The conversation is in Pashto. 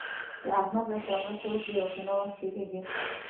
که احمد راسره مرسته وکړي او که نه وخت تېرېږي.